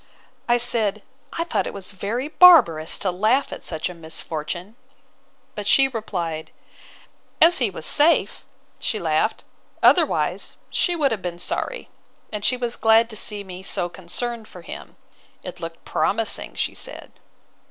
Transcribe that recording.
—I said, I thought it was very barbarous to laugh at such a misfortune; but she replied, As he was safe, she laughed; otherwise she would have been sorry: and she was glad to see me so concerned for him—It looked promising, she said.